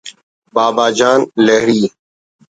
بابا جان لہڑی